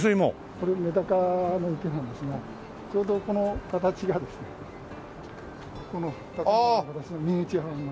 これメダカの池なんですがちょうどこの形がですねこの建物の形のミニチュアになって。